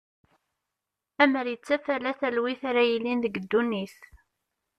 Amer ittaf ala talwit ara yilin deg ddunit.